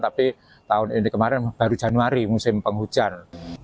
tapi tahun ini kemarin baru januari musim penghujan